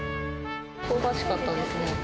香ばしかったですね。